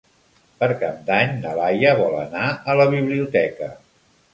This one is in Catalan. Per Cap d'Any na Laia vol anar a la biblioteca.